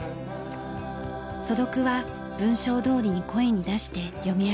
素読は文章どおりに声に出して読み上げる事です。